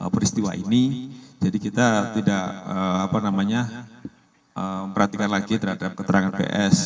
peristiwa ini jadi kita tidak memperhatikan lagi terhadap keterangan ps